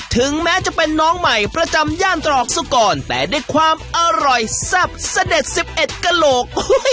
ถึงแม้จะเป็นน้องใหม่ประจำย่านตรอกสุกรแต่ด้วยความอร่อยแซ่บเสด็จ๑๑กระโหลก